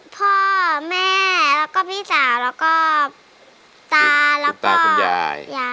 พ่อแม่แล้วก็พี่สาวแล้วก็ตาแล้วก็คุณยาย